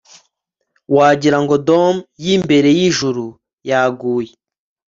wagira ngo dome yimbere yijuru yaguye